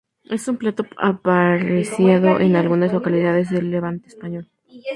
Es un plato apreciado en algunas localidades del levante español.